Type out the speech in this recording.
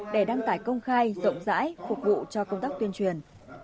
để đăng tải công khai rộng rãi phục vụ cho công tác tuyên truyền